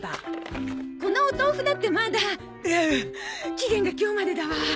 期限が今日までだわ。